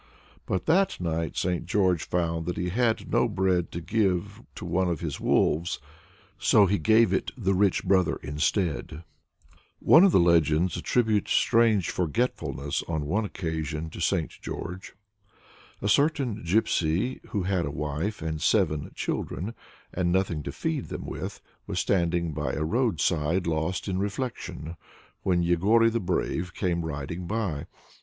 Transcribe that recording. But that night St. George found that he had no bread to give to one of his wolves, so he gave it the rich brother instead. One of the legends attributes strange forgetfulness on one occasion to St. George. A certain Gypsy who had a wife and seven children, and nothing to feed them with, was standing by a roadside lost in reflection, when Yegory the Brave came riding by.